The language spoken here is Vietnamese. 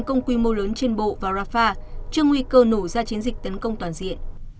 công quy mô lớn trên bộ và rafah trước nguy cơ nổ ra chiến dịch tấn công toàn diện